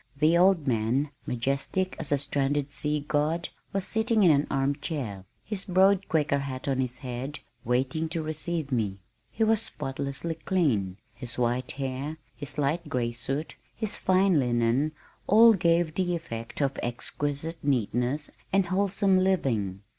The old man, majestic as a stranded sea God, was sitting in an arm chair, his broad Quaker hat on his head, waiting to receive me. He was spotlessly clean. His white hair, his light gray suit, his fine linen all gave the effect of exquisite neatness and wholesome living.